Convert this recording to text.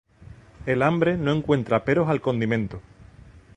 El hambre no encuentra peros al condimento.